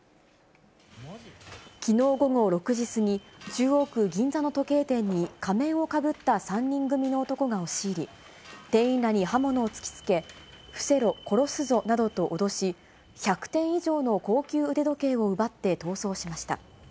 きのう午後６時過ぎ、中央区銀座の時計店に仮面をかぶった３人組の男が押し入り、店員らに刃物を突きつけ、伏せろ、殺すぞなどと脅し、１００点以上の高級腕時計を奪って逃走しました。